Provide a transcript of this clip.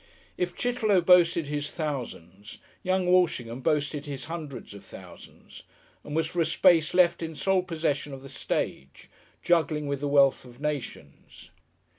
If Chitterlow boasted his thousands, young Walshingham boasted his hundreds of thousands, and was for a space left in sole possession of the stage, juggling with the wealth of nations.